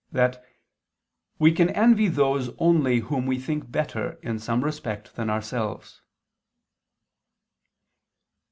v, 46) that "we can envy those only whom we think better in some respect than ourselves."